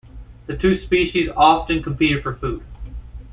The two species often competed for food.